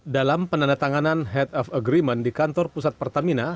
dalam penandatanganan head of agreement di kantor pusat pertamina